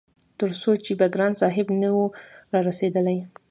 تر څو چې به ګران صاحب نه وو رارسيدلی-